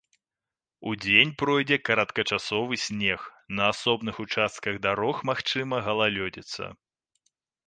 Удзень пройдзе кароткачасовы снег, на асобных участках дарог магчымая галалёдзіца.